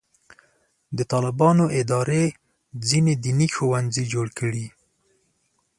د طالبانو اداره ځینې دیني ښوونځي جوړ کړي.